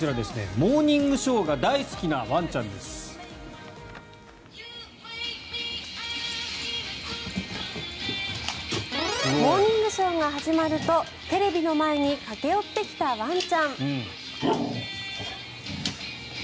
「モーニングショー」が始まるとテレビの前に駆け寄ってきたワンちゃん。